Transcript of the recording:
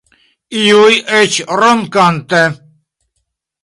Iuj eĉ ronkante.